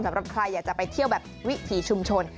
สำหรับใครอยากจะไปเที่ยวแบบวิถีชุมชน